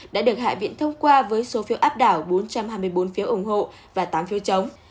đã được hạ viện thông qua với số phiếu áp đảo bốn trăm hai mươi bốn phiếu ủng hộ và tám phiếu chống